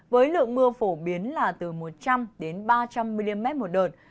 với lượng mưa phổ biến là từ một trăm linh ba trăm linh mm một đợt